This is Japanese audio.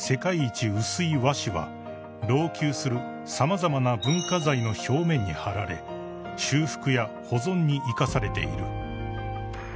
和紙は老朽する様々な文化財の表面に貼られ修復や保存に生かされている］